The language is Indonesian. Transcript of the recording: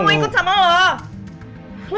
gue gak mau ikut sama lo